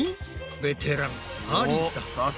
ベテランありさ。